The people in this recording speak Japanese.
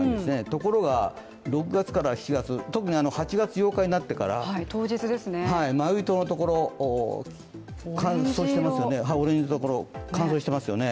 ところが、６月から７月、特に８月８日になってからマウイ島のところ乾燥していますよね。